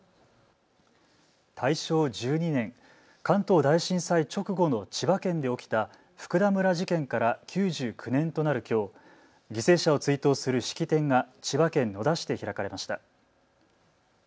大正１２年、関東大震災直後の千葉県で起きた福田村事件から９９年となるきょう、犠牲者を追悼する式典が千葉県野田市で開かれました。